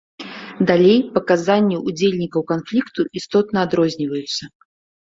Далей паказанні ўдзельнікаў канфлікту істотна адрозніваюцца.